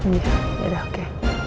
iya yaudah oke